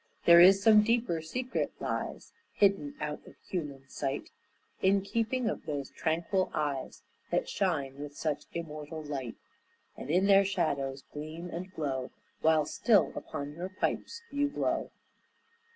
There is some deeper secret lies Hidden out of human sight In keeping of those tranquil eyes That shine with such immortal light, And in their shadows gleam and glow While still upon your pipes you blow.